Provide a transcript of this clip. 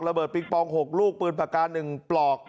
ระเบิดปิ๊กปอง๖ลูกปืนปากกา๑ปลอก